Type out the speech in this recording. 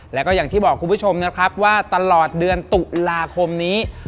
แล้วก็อย่างที่บอกคุณผู้ชมนะครับว่าตลอดเดือนตุลาคมนี้